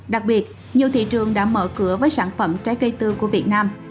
đặc biệt nhiều thị trường đã mở cửa với sản phẩm trái cây tươi của việt nam